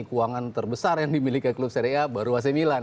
keuangan terbesar yang dimiliki klub seree a baru ac milan